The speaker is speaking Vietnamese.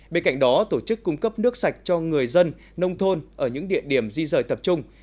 bên cạnh đó tổ chức cung cấp nước sạch cho người dân nông thôn ở những địa điểm di rời tập trung